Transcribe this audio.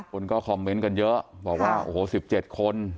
คนก็คอมเมนต์กันเยอะบอกว่าโอ้โห๑๗คน